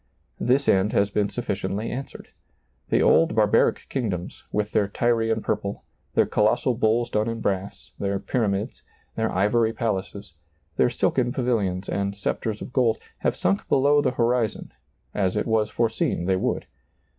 This end has been sufficiently answered. The old barbaric kingdoms, with their Tyrian purple, their colossal bulls done in brass, their pyramids, their ivory palaces, their silken pavilions and scepters of gold, have sunk below the horizon, as it was foreseen they would.